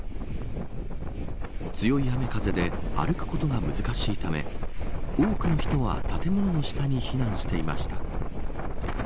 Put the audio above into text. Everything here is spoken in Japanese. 強い雨風で歩くことが難しいため多くの人は建物の下に避難していました。